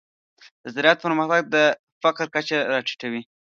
د زراعت پرمختګ د فقر کچه راټیټوي.